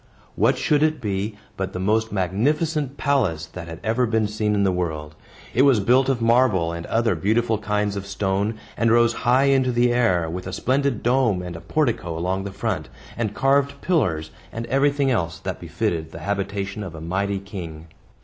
What should it be but the most magnificent palace that had ever been seen in the world. It was built of marble and other beautiful kinds of stone, and rose high into the air, with a splendid dome and a portico along the front, and carved pillars, and everything else that befitted the habitation of a mighty king.